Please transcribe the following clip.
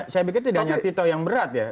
saya pikir tidak hanya tito yang berat ya